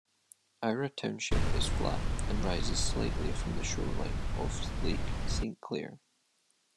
Ira township is flat and rises slightly from the shoreline of Lake Saint Clair.